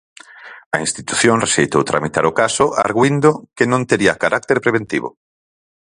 A institución rexeitou tramitar o caso argüíndo que non tería carácter preventivo.